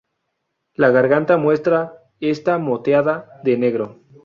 La garganta muestra está moteada de negro.